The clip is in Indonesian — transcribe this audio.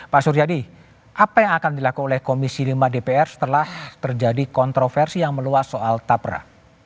pak suryadi apa yang akan dilakukan oleh komisi lima dpr setelah terjadi kontroversi yang meluas soal tapra